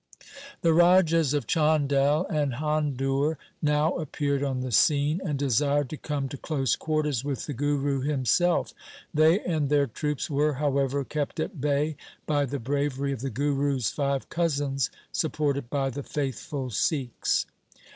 The Rajas of Chandel and Handur now appeared on the scene, and desired to come to close quarters with the Guru himself. They and their troops were, however, kept at bay by the bravery of the Guru's five cousins, supported by the faithful Sikhs.